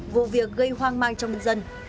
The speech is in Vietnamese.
vụ việc gây hoang mang trong nhân dân